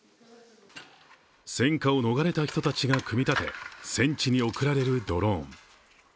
戦火を逃れた人たちが組み立て戦地に送られるドローン。